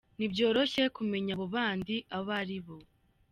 Ntibyoroshye kumenya abo “bandi” abo ari bo.